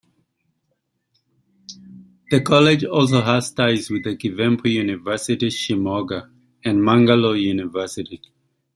The college also has ties with the Kuvempu University, Shimoga; and Mangalore University.